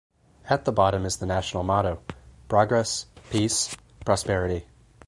At the bottom is the national motto: Progress - Peace - Prosperity.